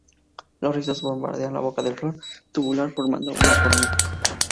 Los rizos bordean la boca de la flor tubular formando una corona.